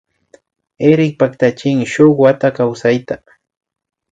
Erik paktachin shun wata kawsayta